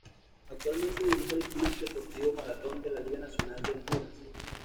Actualmente dirige al Club Deportivo Marathón de la Liga Nacional de Honduras.